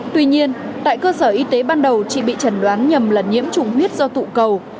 tuy nhiên tại cơ sở y tế ban đầu chị bị trần đoán nhầm lẫn nhiễm trùng huyết do tụ cầu